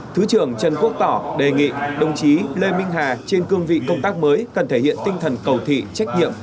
thứ trưởng trần quốc tỏ đề nghị đồng chí lê minh hà trên cương vị công tác mới cần thể hiện tinh thần cầu thị trách nhiệm